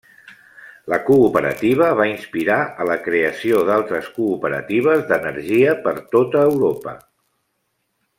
La cooperativa va inspirar a la creació d'altres cooperatives d'energia per tota Europa.